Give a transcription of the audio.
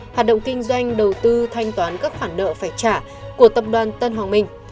hoạt động kinh doanh đầu tư thanh toán các khoản nợ phải trả của tập đoàn tân hoàng minh